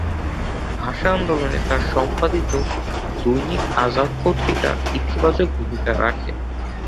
ভাষা আন্দোলনে তার সম্পাদিত 'দৈনিক আজাদ' পত্রিকা ইতিবাচক ভূমিকা রাখে।